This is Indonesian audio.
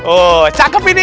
oh cakep ini